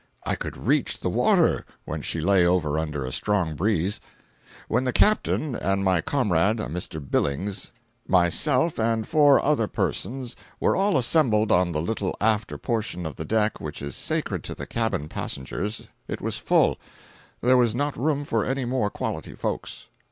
I could reach the water when she lay over under a strong breeze. When the Captain and my comrade (a Mr. Billings), myself and four other persons were all assembled on the little after portion of the deck which is sacred to the cabin passengers, it was full—there was not room for any more quality folks.